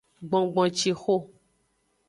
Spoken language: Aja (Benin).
Gbongboncixo.